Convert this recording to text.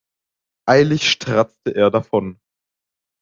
Eilig stratzte er davon.